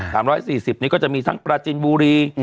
๓๔๐บาทนี่ก็จะมีทั้งปราจินบุรี